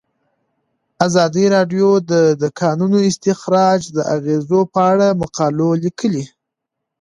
ازادي راډیو د د کانونو استخراج د اغیزو په اړه مقالو لیکلي.